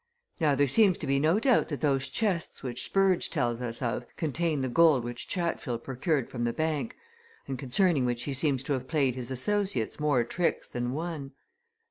Now there seems to be no doubt that those chests which Spurge tells us of contain the gold which Chatfield procured from the bank, and concerning which he seems to have played his associates more tricks than one.